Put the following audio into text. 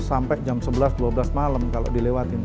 sampai jam sebelas dua belas malam kalau dilewatin